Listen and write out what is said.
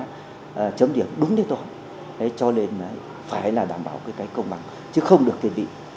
điều đó là chấm điểm đúng thế toàn cho nên phải là đảm bảo cái công bằng chứ không được tiền vị